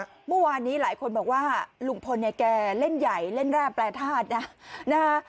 เมื่อวานนี้หลายคนบอกว่าลุงพลเนี่ยแกเล่นใหญ่เล่นแร่แปรธาตุนะนะฮะ